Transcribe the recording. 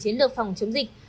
chiến lược phòng chống dịch